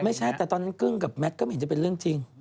ไม่ใช่แต่ตอนนั้นกึ้งกับแมทก็ไม่เห็นจะเป็นเรื่องจริง